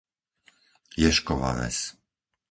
Ješkova Ves